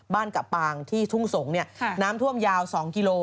กะปางที่ทุ่งสงศ์น้ำท่วมยาว๒กิโล